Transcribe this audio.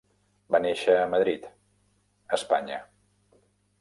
Va néixer a Madrid, Espanya.